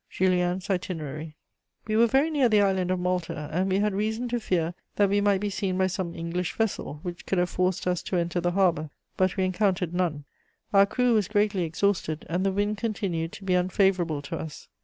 JULIEN'S ITINERARY. "We were very near the island of Malta, and we had reason to fear that we might be seen by some English vessel, which could have forced us to enter the harbour; but we encountered none. Our crew was greatly exhausted, and the wind continued to be unfavourable to us.